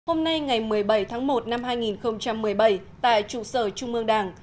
hôm nay ngày một mươi bảy tháng một năm hai nghìn một mươi bảy tại trụ sở trung ương đảng